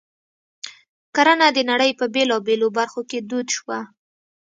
کرنه د نړۍ په بېلابېلو برخو کې دود شوه.